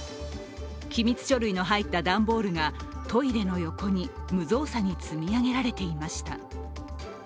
機密書類の入った段ボールがトイレの横に無造作に積み上げられていました。